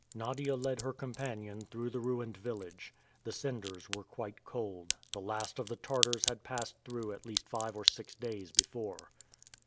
Nadia led her companion through the ruined village. The cinders were quite cold. The last of the Tartars had passed through at least five or six days before.